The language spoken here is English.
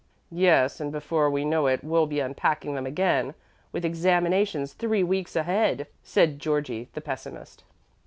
"Yes; and before we know it we'll be unpacking them again, with examinations three weeks ahead," said Georgie the pessimist.